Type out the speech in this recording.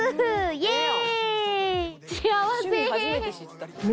イエーイ！